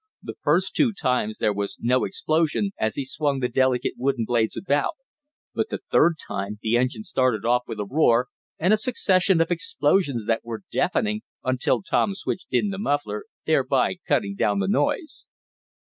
The first two times there was no explosion as he swung the delicate wooden blades about, but the third time the engine started off with a roar, and a succession of explosions that were deafening, until Tom switched in the muffler, thereby cutting down the noise.